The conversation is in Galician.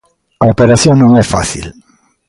A operación non é fácil.